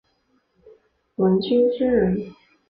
王沂孙人。